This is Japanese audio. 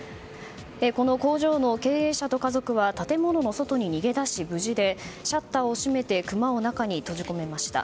この工場の経営者と家族は建物の外に逃げ出し、無事でシャッターを閉めてクマを中に閉じ込めました。